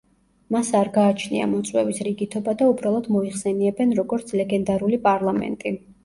მას არ გააჩნია მოწვევის რიგითობა და უბრალოდ მოიხსენიებენ როგორც „ლეგენდარული პარლამენტი“.